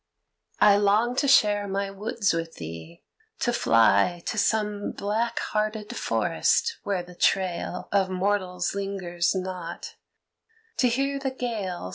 I long to share my woods with thee, to fly To some black hearted forest where the trail Of mortals lingers not, to hear the gale.